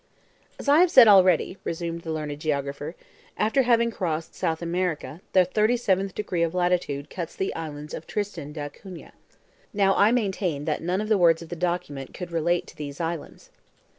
"As I have said already," resumed the learned geographer, "after having crossed South America, the 37th degree of latitude cuts the islands of Tristan d'Acunha. Now I maintain that none of the words of the document could relate to these islands."